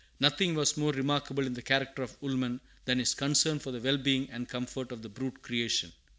Nothing was more remarkable in the character of Woolman than his concern for the well being and cornfort of the brute creation.